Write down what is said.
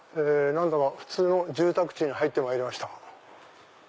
何だか普通の住宅地に入ってまいりました。